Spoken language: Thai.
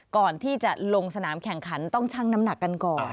ก่อนที่จะลงสนามแข่งขันต้องชั่งน้ำหนักกันก่อน